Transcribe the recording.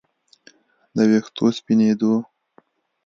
د ویښتو سپینېدو